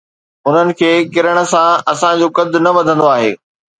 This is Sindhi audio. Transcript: انهن کي ڪرڻ سان اسان جو قد نه وڌندو آهي.